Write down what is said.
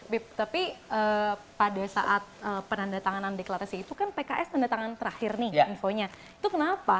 bip tapi pada saat penandatanganan deklarasi itu kan pks penandatanganan terakhir nih infonya itu kenapa